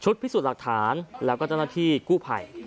พิสูจน์หลักฐานแล้วก็เจ้าหน้าที่กู้ภัย